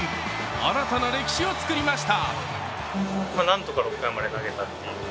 新たな歴史を作りました。